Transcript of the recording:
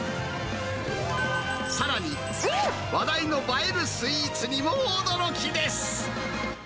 さらに、話題の映えるスイーツにも驚きです。